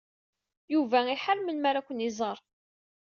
Yuba iḥar melmi ara ken-iẓer.